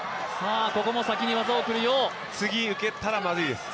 次、受けたらまずいです。